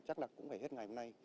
chắc là cũng phải hết ngày hôm nay